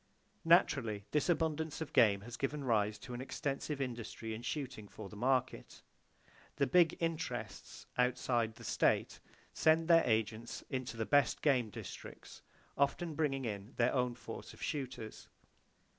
Naturally, this abundance of game has given rise to an extensive industry in shooting for the market. The "big interests" outside the state send their agents into the best game districts, often bringing in their own force of shooters.